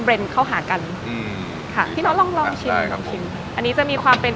แบรนด์เข้าหากันอืมค่ะพี่น้องลองลองชิมได้ครับผมอันนี้จะมีความเป็น